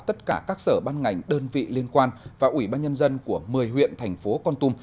tất cả các sở ban ngành đơn vị liên quan và ủy ban nhân dân của một mươi huyện thành phố con tum